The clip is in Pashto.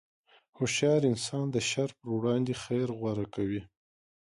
هوښیار انسان د شر پر وړاندې خیر غوره کوي.